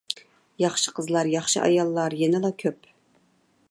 ياخشى قىزلار، ياخشى ئاياللار يەنىلا كۆپ!